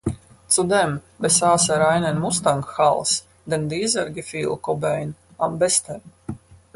Zudem besaß er einen Mustang-Hals, denn dieser gefiel Cobain am besten.